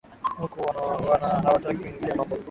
haku wana wana hawataki kuingilia mambo